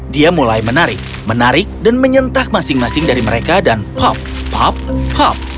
dia mulai menarik menarik dan menyentak masing masing dari mereka dan pop pop pop